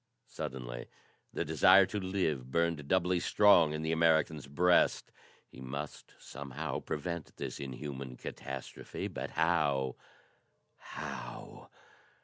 Suddenly, the desire to live burned doubly strong in the American's breast. He must somehow prevent this inhuman catastrophe. But how? How?